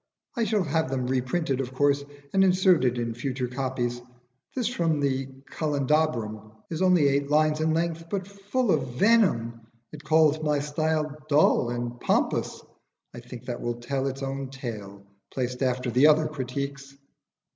I shall have them reprinted, of course, and inserted in future copies. This from the 'Candelabrum' is only eight lines in length, but full of venom. It calls my style dull and pompous. I think that will tell its own tale, placed after the other critiques."